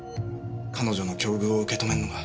彼女の境遇を受け止めるのが。